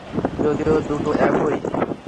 যদিও দুটো একই।